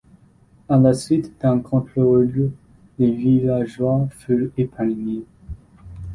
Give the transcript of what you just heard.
À la suite d'un contre-ordre, les villageois furent épargnés.